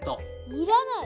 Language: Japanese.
要らない！